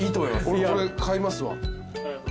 俺これ買いますわ。